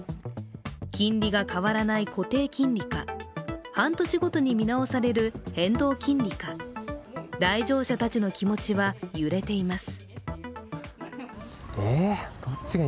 金利が変わらない固定金利か半年ごとに見直される変動金利か来場者たちの気持ちは揺れています。